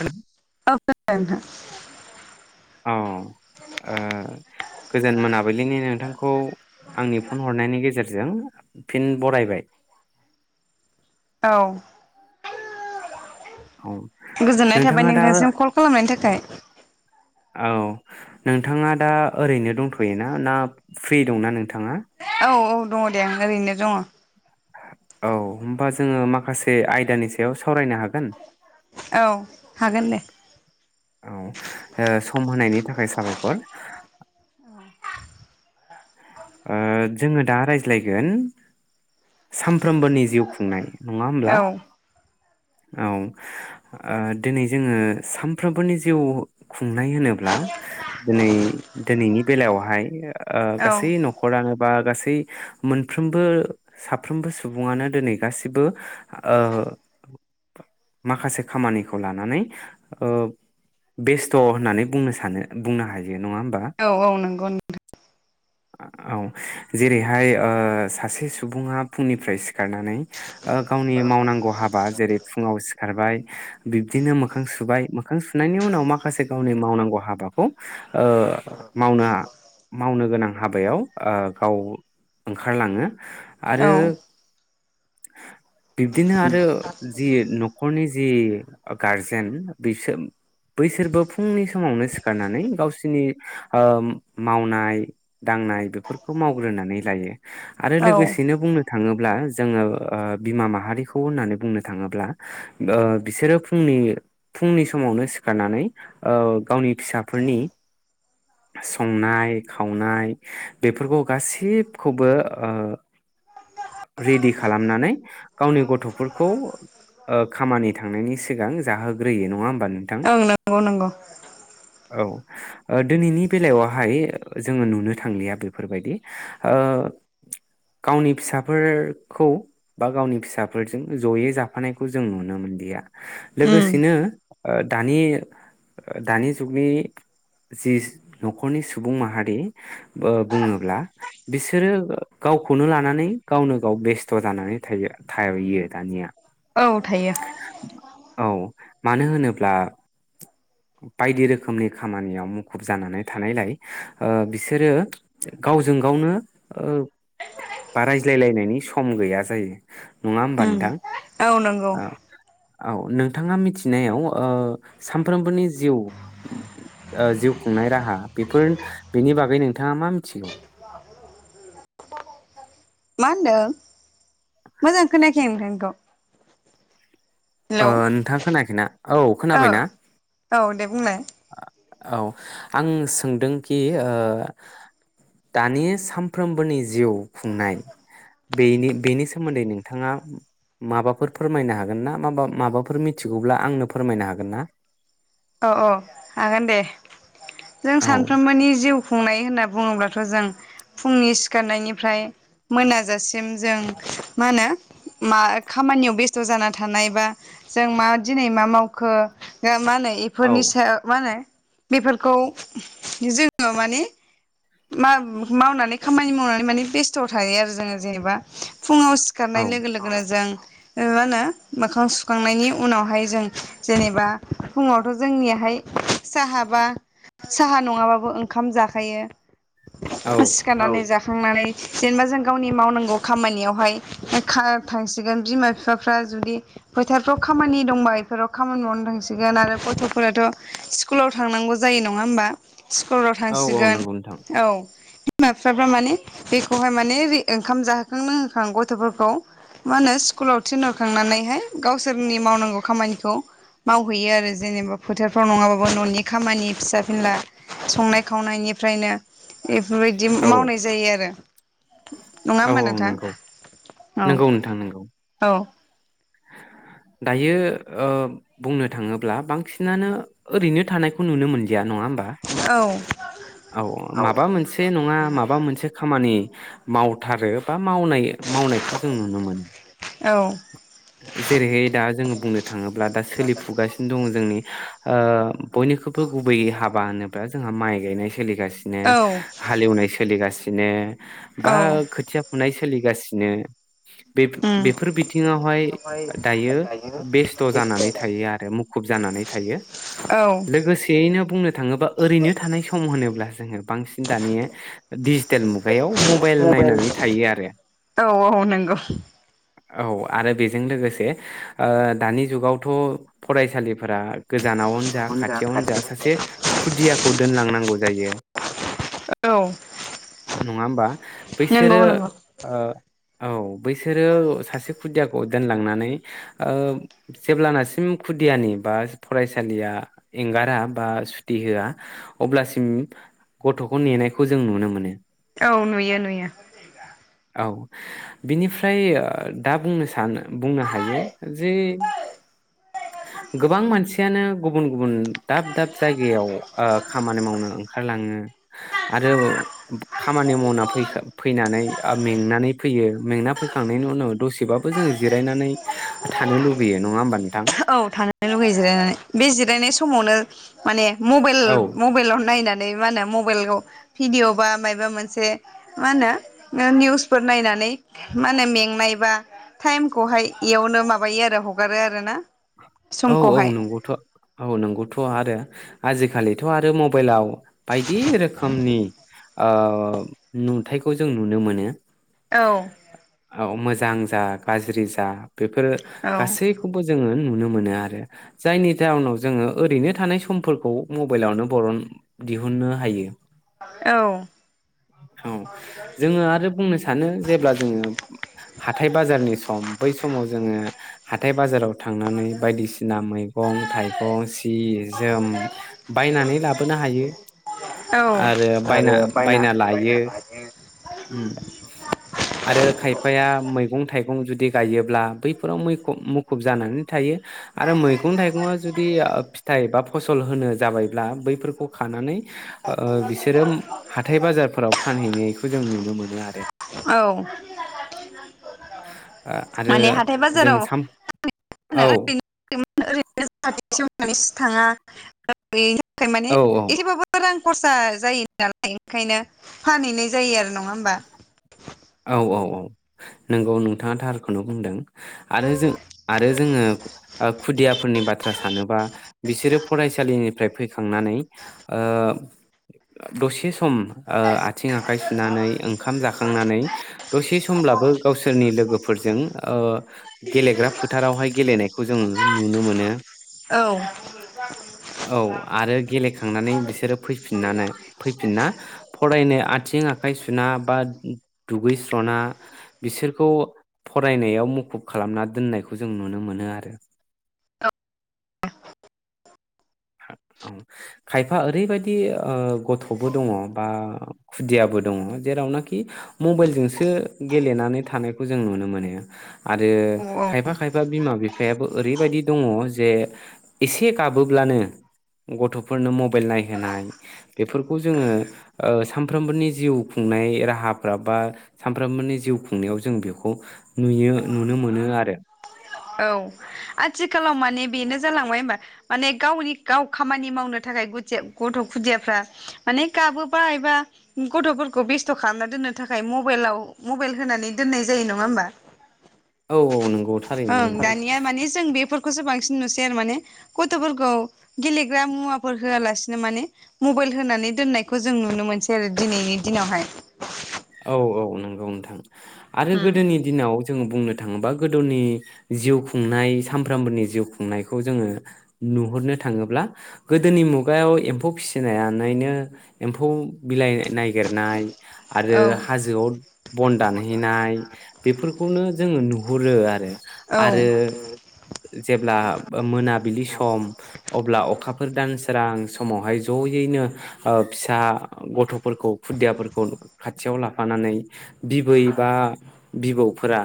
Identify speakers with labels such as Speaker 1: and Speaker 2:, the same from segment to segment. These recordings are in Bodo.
Speaker 1: औ
Speaker 2: औ [unintelligible]
Speaker 1: औ ओ गोजोन मोनाबिलिनि नों थांखौ आंनि फन हरनायनि गेजेरजों फिन बरायबाय
Speaker 2: औ
Speaker 1: औ
Speaker 2: गोजोननाय थाबाय
Speaker 1: नोंथाङा दा
Speaker 2: नोंथांसिम कल खालामनायनि थाखाय
Speaker 1: औ नोंथाङा दा ओरैनो दंथयोना ना फ्रि दंना नोंथाङा?
Speaker 2: औ औ दङ दे ओरैनो दङ
Speaker 1: औ होमबा जोङो माखासे आयदानि सायाव साव सावरायनो हागोन
Speaker 2: औ हागोन दे
Speaker 1: औ ओ सम होनायनि थाखाय साबायखर ओ जोङो दा रायज्लायगोन सामफ्रोमबोनि जिउ खुंनाय नङा होमब्ला
Speaker 2: औ
Speaker 1: औ ओ दिनै जोङो सानफ्रोमबोनि जिउ खुंनाय होनोब्ला दिनै दिनैनि बेलायावहाय ओ गासै न बा गासै मोनफ्रोमबो साफ्रोमबो सुबुङानो दिनै गासिबो ओ माखासे खामानिखौ लानानै ओ बेस्थ होननानै बुंनो सानो बुंनो हायो नङा होमबा?
Speaker 2: औ औ नोंगौ नोंथां।
Speaker 1: औ जेरैहाय ओ सासे सुबुङा फुंनिफ्राय सि सिखारनानै गावनि मावनांगौ हाबा जेरै फुङाव सिखारबाय बिब्दिनो मोखां सुबाय मोखां सुनायनि उनाव माखासे गावनि मावनांगौ हाबाखौ ओ मावनो मावनो गोनां हाबायाव ओ गाव ओंखारलाङो। आरो
Speaker 2: नोंथां औ
Speaker 1: [inaudible] बिब्दिनो आरो जि नखरनि जि गारजेन बिसोर बैसोरबो फुंनि समावनो सिखारनानै गावसिरनि ओ मावनाय दांनाय बेफोरखौ मावग्रोनानै लायो आरो
Speaker 2: औ
Speaker 1: लोगोसेनो बुंनो थाङोब्ला जोङो ओ बिमा माहारिखौ होननानै बुंनो थाङोब्ला ओ बिसोरो फुंनि फुंनि समावनो सिखारनानै ओ गावनि फिसाफोरनि संनाय खावनाय बेफोरखौ गासिबखौबो ओ रेडि खालामनानै गावनि गथ'फोरखौ ओ खामानि थांनायनि सिगां जाहोग्रोयो नङा होमबा नोंथां
Speaker 2: ओं नंगौ नंगौ
Speaker 1: औ। ओ दिनैनि बेलायावहाय जोङो नुनो थांलिया बेफोरबायदि ओ गावनि फिसा फोरखौ बा गावनि फिसाफोरजों जयै जाफानायखौ जों नुनो मोनदिया
Speaker 2: उम
Speaker 1: लोगोसेनो ओ दानि दानि जुगनि जि नखरनि सुबुं माहारि ओ बुङोब्ला बिसोरो गावखौनो लानानै गावनो गाव बेस्थ जानानै थायो थायो दानिया।
Speaker 2: औ थायो।
Speaker 1: औ मानो होनोब्ला बायदि रोखोमनि खामानियाव मुखुब जानानै थानायलाय ओ बिसोरो गावजों गावनो बा रायज्लायलायनायनि सम गैया जायो। नङा होमबा
Speaker 2: उम
Speaker 1: नोंथां
Speaker 2: औ नंगौ
Speaker 1: औ। औ नोंथाङा मिथिनायाव ओ सानफ्रोमबोनि जिउ ओ जिउ खुंनाय राहा बेफोर बेनि बागै नों थाङा मा मिथिगौ?
Speaker 2: मा होनदों? मोजां खोनायाखै आं नोंथांनिखौ।
Speaker 1: ओ
Speaker 2: हेलौ
Speaker 1: नोंथाङा खोनायाखैना औ खोनाबायना।
Speaker 2: औ दे बुंलाय
Speaker 1: औ आं सोंदोंखि ओ दानि सानफ्रोमबोनि जिउ खुंनाय बेनि बेनि सोमोन्दै नोंथाङा माबाफोर फोरमायनो हागोन ना माबा माबाफोर मिथिगौब्ला आंनो फोरमायनो हागोन ना?
Speaker 2: औ औ हागोन दे। जों
Speaker 1: औ
Speaker 2: सानफ्रोमबोनि जिउ खुंनाय होनना बुङोब्लाथ जों फुंनि सिखारनायनिफ्राय मोनाजासिम जों मा होनो मा खामानियाव बेस्थ जाना थानाय बा जों मा दिनै मा मावखो बा मा होनो फोरनि
Speaker 1: औ
Speaker 2: सायाव मा होनो? बेफोरखौ जोङो माने मा मावनानै खामानि मावनानै माने बेस्थ थायो आरो जोङो जेनेबा। फुङाव
Speaker 1: औ
Speaker 2: सिखारनाय लोगो लोगोनो जों ओ मा होनो मोखां सुखांनायनि उनावहाय जों जेनेबा फुङावथ जोंनियाहाय साहा बा साहा नङाबाबो ओंखाम जाखायो। सिखारनानै जा थांनानै जेनेबा जों गावनि मावनांगौ खामानियावहाय [unintelligible] सिगोन बिमा बिफाफ्रा जुदि फोथारफ्राव खामानि दंबा बेफोराव खामानि मावनो थांसिगोन आरो गथ'फोराथ स्कुलाव थांनांगौ जायो नङा होमबा? स्कुलाव
Speaker 1: औ औ
Speaker 2: थांसिगोन
Speaker 1: नंगौ नोंथां
Speaker 2: औ बिमा बिफाफ्रा माने बेखौहाय माने ओंखाम जाहोखां लोंहोखां गथ'फोरखौ मा होनो स्कुलाव थिनहरखांनानैहाय गावसोरनि मावनांगौ खामानिखौ मावहैयो आरो जेनेबा फोथारफ्राव नङाबाबो ननि खामानि फिसा फिनला संनाय खावनायनि फ्रायनो बेफोरबायदि
Speaker 1: औ
Speaker 2: मावनाय जायो आरो नङा
Speaker 1: औ
Speaker 2: होमबा
Speaker 1: औ
Speaker 2: नोंथां
Speaker 1: नंगौ
Speaker 2: औ
Speaker 1: नंगौ नोंथां नंगौ
Speaker 2: औ
Speaker 1: दायो ओ बुंनो थाङोब्ला बांसिनानो ओरैनो थानायखौ नुनो मोनलिया नङा होम बा
Speaker 2: औ
Speaker 1: औ माबा मोनसे नङा माबा मोनसे खामानि मावथारो बा मावनाय मावनायखौ जों नुनो मोनो। जेरैहाय दा जोङो बुंनो थाङोब्ला दा सोलिफुगासिनो दङ जोंनि ओ बयनिख्रुबो गुबैयै हाब बा होनोब्ला जोंहा माइ गायनाय सो लिगासिनो
Speaker 2: औ
Speaker 1: हालेवनाय सो लिगासिनो बा
Speaker 2: औ
Speaker 1: खोथिया फुनाय सो सोलिगासिनो बे
Speaker 2: उम
Speaker 1: बेफोर बिथिङावहाय दायो बेस्थ जानानै थायो आरो मुखुब जानानै थायो
Speaker 2: औ
Speaker 1: लोगोसेयैनो बुंनो थाङोबा ओरैनो थानाय सम होनोब्ला जोङो बांसिन दानि डिजिटेल मुगायाव मबाइल नायनानै थायो आरो
Speaker 2: औ औ नंगौ
Speaker 1: औ आरो बे जों लोगोसे ओ दानि जुगावथ फरायसालि फोरा गोजानावनो जा खाथियावनो जा सासे खुदियाखौ दोनलांनांगौ जायो
Speaker 2: औ
Speaker 1: नङा होमबा
Speaker 2: नंगौ
Speaker 1: बैसोरो
Speaker 2: नंगौ
Speaker 1: ओ औ बैसोरो सासे खुदिया खौ दोनलांनानै ओ जेब्लानासिम खुदियानि बा फरायसालिया एंगारा बा सुटि होआ अब्लासिम गथखौ नेनायखौ जों नुनो मोनो
Speaker 2: औ नुयो नुयो
Speaker 1: औ बिनिफ्राय ओ दा बुंनो सा सानो बुंनो हायो जे गोबां मानसियानो गुबुन गुबुन दाब दाब जायगायाव ओ खामानि मावनो ओंखारलाङो आरो खामानि मावना फैनानै आं मेंनानै फैयो मेंना फैखांनायनि उनाव दसेबा बो जोङो जिरायनानै थानो लुबैयो नङा होमबा नों
Speaker 2: औ थांनो लुगैयो जिरायनानै बे जिरायनाय स समावनो माने
Speaker 1: औ
Speaker 2: मबाइल-मबाइलाव नायना मा होनो मबाइलाव भिडिअ बा माबा मोनसे मा होनो निउसफोर नायनानै मा होनो मेंनाय बा टाइमखौहाय बेयावनो माबायो आरो हगारो आरो ना
Speaker 1: औ औ नंगौथ औ नंगौथ आरो आजिखालिथ आरो मबाइलाव बायदि रोखोमनि ओ नुथाइखौ जों नुनो मोनो
Speaker 2: औ
Speaker 1: औ मोजां जा गाज्रि जा बेफोरो
Speaker 2: औ
Speaker 1: गासैखौबो जोङो नु नुनो मोनो आरो जायनि जाउनाव जोङो ओरैनो थानाय समफोरखौ मबाइलावनो बरन दिहुननो हायो
Speaker 2: औ
Speaker 1: औ जोङो आरो बुंनो सानो जेब्ला जोङो हाथाय बाजारनि सम बै समाव जोङो हाथाय बाजाराव थांनानै बायदिसिना मैगं थाइगं जि जोम बायनानै लाबोनो हायो आरो
Speaker 2: औ
Speaker 1: बायना बायना लायो आरो खायफाया मै मैगं थाइगं जुदि गायोब्ला बैफोराव मैखुब मुखुब जानानै थायो आरो मैगं थाइगङा जुदि फिथाइबा फसल होनो जाबायब्ला बैफोरखौ खानानै ओ बिसोरो हाथाय बाजारफोराव फानहैनायखौ जों नुनो मोनो आरो
Speaker 2: औ
Speaker 1: ओ आरो
Speaker 2: माने हाथाय
Speaker 1: जों
Speaker 2: बाजाराव
Speaker 1: साम
Speaker 2: [unintelligible]
Speaker 1: औ
Speaker 2: ओरैनो [unintelligible] थाङा फाय माने
Speaker 1: औ
Speaker 2: एसेबाबो रां खरसा जायो नालाय ओंखायनो फानहैनाय जायो आरो नङा होमबा?
Speaker 1: औ औ औ नंगौ नोंथाङा थारखौनो बुंदों आरो जों आरो जोङो खुदियाफोरनि बाथ्रा सानोबा बिसोरो फरायसालिनिफ्राय फैखांनानै ओ दसे सम ओ आथिं आखाइ सुनानै ओंखाम जाखांनानै दसे समब्लाबो गावसोरनि नि लोगोफोरजों गेलेग्रा फोथारावहाय गेलेनायखौ जों नुनो मोनो।
Speaker 2: औ
Speaker 1: औ आरो गेलेखांनानै बिसोर बिसोरो फैफिननानै फैफिनना फरायनो आथिं आखाइ सुना बा दुगैस्रना बिसोरखौ फरायनायाव मुखुब खालामना दोननायखौ जों नुनो मोनो आरो।
Speaker 2: औ
Speaker 1: औ खायफा ओरैबायदि ओ गथ'बो दङ बा खुदियाबो दङ जेरावनाखि मबेलजोंसो गेलेनानै थानायखौ जों नुनो मोनो। आरो
Speaker 2: औ
Speaker 1: खायफा खायफा बिमा बिफायाबो ओरैबायदि दङ जे एसे गाबोब्लानो गथ'फोरनो मबेल नायहोनाय बेफोरखौ जोङो ओ सानफ्रोमबोनि जिउ खुंनाय राहाफ्रा बा सानफ्रोमबोनि जिउ खुंनायाव जों बेखौ नुयो नुनो मोनो आरो
Speaker 2: औ आथिखालाव माने बेनो जालांबाय होनबा माने गावनि गाव खामानि मावनो थाखाय खुदिया गथ' खुदियाफ्रा माने गाबोबा एबा गथ'फोरखौ बेस्थ' खालामना दोननो थाखाय मबेलाव मबेल होनानै दोननाय जायो नङा होमबा?
Speaker 1: अ [unintelligible]
Speaker 2: ओं दानिया माने जों बेफोरखौसो बां सिन नुसै आरो माने गथ'फोरखौ गेलेग्रा मुवाफोर होआलासिनो माने मबेल होनानै दोननायखौ जों नुनो मोनसै आरो दिनैनि दिनावहाय।
Speaker 1: औ औ नोंगौ नोंथां। आरो
Speaker 2: उम
Speaker 1: गोदोनि दिनाव जोङो बुंनो थाङोबा गोदौनि जिउ खुंनाय सामफ्रामबोनि जिउ खुंनायखौ जोङो नुहरनो थाङोब्ला गोदोनि मुगायाव एम्फौ फिसिनायानैनो एम्फौ बिलाइ नागिरनाय आरो
Speaker 2: औ
Speaker 1: हाजोआव बन दानहैनाय बेफोरखौनो जोङो नुहुरो आरो
Speaker 2: औ
Speaker 1: आरो जेब्ला मोनाबिलि सम अब्ला अखाफोर दानसोरां समावहाय ज'यैनो ओ फिसा गथ'फोरखौ खुदियाफोरखौ खाथियाव लाफानानै बिबै बा बिबौफोरा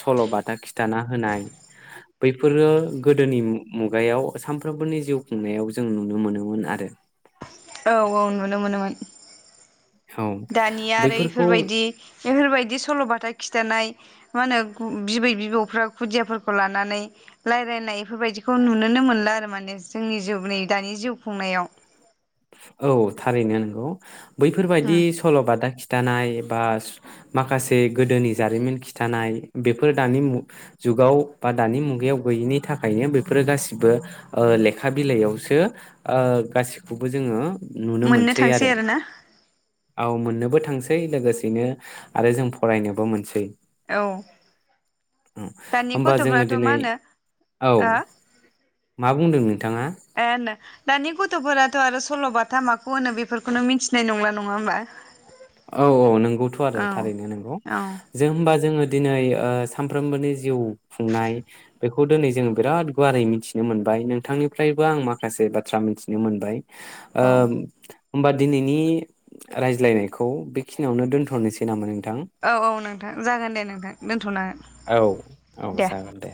Speaker 1: सल' बाथा खिथाना होनाय बैफोरो गोदोनि मु-मुगायाव सानफ्रोमबोनि जिउ खुंनायाव जों नुनो मोनोमोन आरो।
Speaker 2: औ औ नुनो मोनोमोन
Speaker 1: औ
Speaker 2: दानिया आरो
Speaker 1: बैफोरखौ
Speaker 2: इफोरबायदि इफोरबायदि सल'बाथा खिथानाय मा होनो बिबै बिबौ खुदियाफोरखौ लानानै रायलायनाय एफोरबायदिखौ नुुनोनो मोनला आरो माने जोंनि जिउ नै दानि जिउ खुंनायाव।
Speaker 1: औ थारैनो नोंगौ। बैफोरबायदि
Speaker 2: उम
Speaker 1: सल' बाथा खि खिथानाय बा माखासे गोदोनि जारिमिन खिथानाय बेफोर दानि जुगाव बा दानि मुगायाव गैयिनि थाखायनो बेफोरो गासिबो ओ लेखा बिलाइयावसो ओ गासि खौबो जोङो
Speaker 2: मोननो थांसै आरोना।
Speaker 1: औ मोननोबो थांसै लोगोसेनो आरो जों फरायनोबो मोनसै।
Speaker 2: औ दानि
Speaker 1: होमबा जोङो
Speaker 2: गथ'फ्राथ' मा
Speaker 1: दिनै
Speaker 2: होनो
Speaker 1: औ
Speaker 2: ओ
Speaker 1: मा बुंदोंमोन?
Speaker 2: ए [unintelligible] दानि गथफोराथ आरो सलबाथा माखौ होनो, बेफोरखौनो मिथिनाय नंला नङा होमबा?
Speaker 1: औ औ नोंगौथ आरो
Speaker 2: औ
Speaker 1: थारैनो नोंगौ
Speaker 2: औ
Speaker 1: जों होमबा जोङो दिनै सानफ्रोमबोनि जिउ खुंनाय बेखौ दिनै जोङो बिराद गुवारै मिथिनो मोनबाय नोंथांनिफ्रायबो आं माखासे बाथ्रा मिथिनो मोनबाय ओ
Speaker 2: औ
Speaker 1: होमबा दिनैनि रायज्लायनाय खौ बेखिनियावनो दोनथनोसै नामोन नों
Speaker 2: औ औ नोंथां जागोन दे नोंथां दोनथ
Speaker 1: औ औ जागोन दे